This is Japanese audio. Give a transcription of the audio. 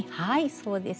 そうです。